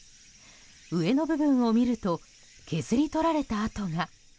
上の部分を見ると削り取られた跡が。